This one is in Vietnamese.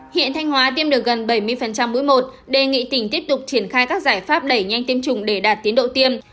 hiện thanh hóa tiêm được gần bảy mươi mũi một đề nghị tỉnh tiếp tục triển khai các giải pháp đẩy nhanh tiêm chủng để đạt tiến độ tiêm